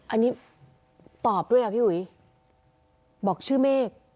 อันนี้ตอบด้วยอ่ะพี่อุ๋ยบอกชื่อเมฆ